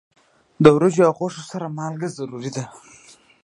د وریجو او غوښې سره مالګه ضروری ده.